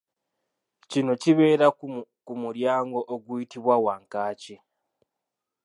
Kino kibeera ku mulyango oguyitibwa Wankaaki.